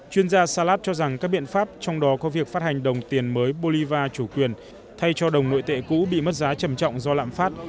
chuyên gia salat cho rằng các biện pháp trong đó có việc phát hành đồng tiền mới bolivar chủ quyền thay cho đồng nội tệ cũ bị mất giá trầm trọng do lạm phát